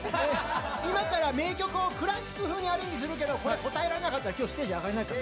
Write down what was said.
今から名曲をクラシック風にアレンジするけどこれ答えられなかったら今日ステージ上がれないから。